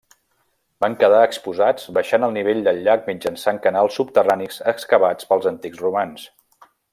Van quedar exposats baixant el nivell del llac mitjançant canals subterranis excavats pels antics romans.